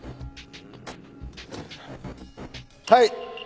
はい！